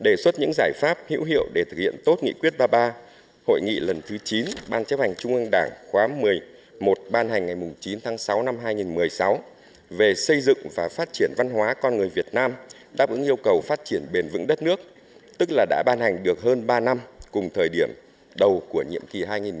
đề xuất những giải pháp hữu hiệu để thực hiện tốt nghị quyết ba mươi ba hội nghị lần thứ chín ban chấp hành trung ương đảng khóa một mươi một ban hành ngày chín tháng sáu năm hai nghìn một mươi sáu về xây dựng và phát triển văn hóa con người việt nam đáp ứng yêu cầu phát triển bền vững đất nước tức là đã ban hành được hơn ba năm cùng thời điểm đầu của nhiệm kỳ hai nghìn một mươi sáu hai nghìn một mươi năm